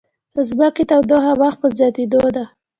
د ځمکې تودوخه مخ په زیاتیدو ده